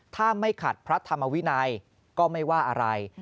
ถ้าไม่ขัดพระธรรมวินัยก็ไม่ว่าอะไร